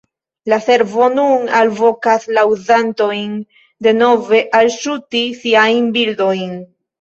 La servo nun alvokas la uzantojn denove alŝuti siajn bildojn.